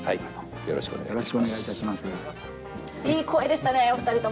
よろしくお願いします。